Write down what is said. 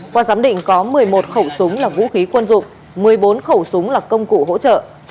qua giám định có một mươi một khẩu súng là vũ khí quân dụng một mươi bốn khẩu súng là công cụ hỗ trợ